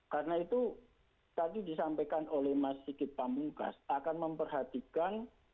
karena itu tadi disampaikan oleh mas sigit pamungkas akan memperhatikan